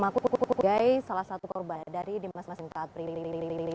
guys salah satu korban dari di mas kanjeng taat pribadi